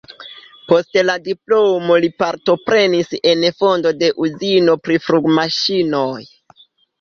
Post la diplomo li partoprenis en fondo de uzino pri flugmaŝinoj.